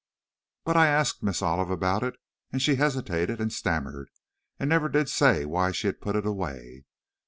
"But I asked Miss Olive about it, and she hesitated and stammered, and never did say why she had put it away.